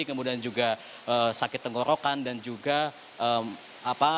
kemudian juga sakit tenggorokan dan juga apa